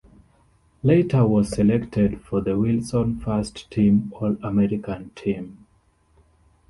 Leiter was selected for the Wilson First Team All-American team.